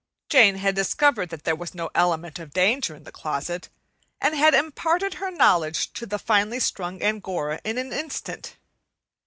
Jane had discovered that there was no element of danger in the closet, and had imparted her knowledge to the finely strung Angora in an instant.